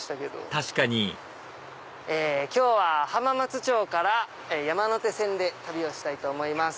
確かに今日は浜松町から山手線で旅をしたいと思います。